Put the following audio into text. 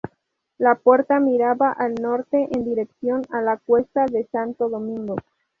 La puerta miraba al norte, en dirección a la cuesta de Santo Domingo.